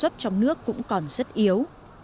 trong nước cũng còn rất yếu